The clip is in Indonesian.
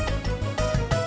mah prima saya